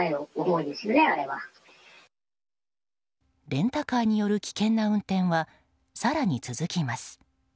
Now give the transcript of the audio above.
レンタカーによる危険な運転は更に続きます。